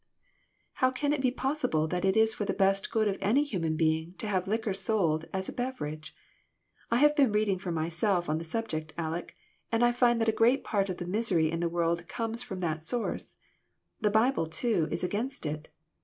" How can it be possible that it is for the best good of any human being to have liquor sold as a beverage ? I have been reading for myself on the subject, Aleck, and I find that a great part of the misery in the world comes from that source. The Bible, too, is against it.